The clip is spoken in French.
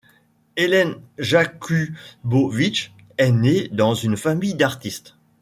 Hélène Jacubowitz est née dans une famille d'artistes.